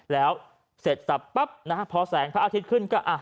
แล้วเสร็จสับปั๊บนะฮะพอแสงพระอาทิตย์ขึ้นก็